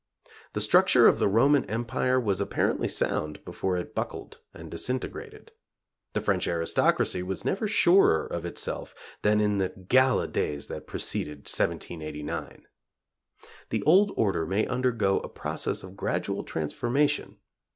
The structure of the Roman Empire was apparently sound before it buckled and disintegrated. The French aristocracy was never surer of itself than in the gala days that preceded 1789. The old order may undergo a process of gradual transformation.